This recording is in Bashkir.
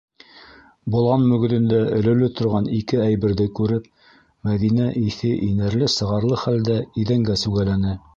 - Болан мөгөҙөндә элеүле торған ике әйберҙе күреп, Мәҙинә иҫе инәрле-сығарлы хәлдә иҙәнгә сүгәләне.